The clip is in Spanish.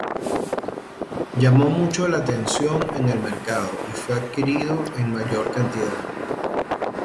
Llamó mucho la atención en el mercado y fue adquirido en mayor cantidad.